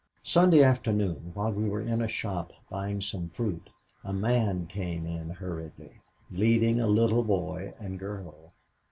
Sunday afternoon while we were in a shop buying some fruit, a man came in hurriedly, leading a little boy and girl.